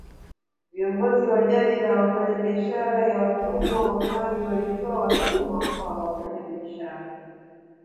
Viongozi wa jadi na wafanyabiashara ya watumwa wa pwani walitoa watumwa kwa wafanyabiashara